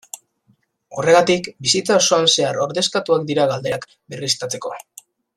Horregatik, bizitza osoan zehar ordezkatuak dira galerak berriztatzeko.